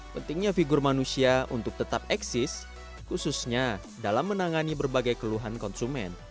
pentingnya figur manusia untuk tetap eksis khususnya dalam menangani berbagai keluhan konsumen